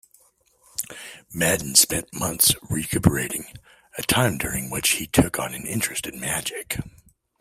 Madden spent months recuperating, a time during which he took an interest in magic.